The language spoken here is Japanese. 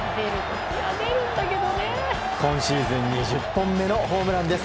今シーズン２０本目のホームランです。